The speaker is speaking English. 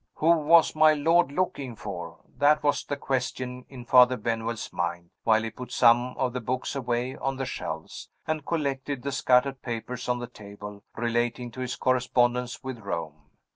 "Who was my lord looking for?" That was the question in Father Benwell's mind, while he put some of the books away on the shelves, and collected the scattered papers on the table, relating to his correspondence with Rome.